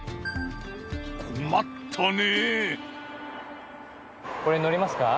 困ったね。